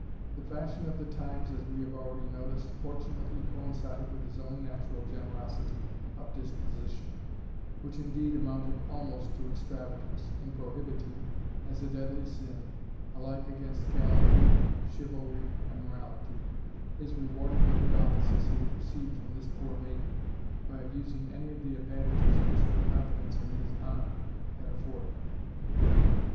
The fashion of the times (as we have already noticed) fortunately coincided with his own natural generosity of disposition, which indeed amounted almost to extravagance, in prohibiting, as a deadly sin, alike against gallantry, chivalry, and morality, his rewarding the good offices he had received from this poor maiden, by abusing any of the advantages which her confidence in his honour had afforded.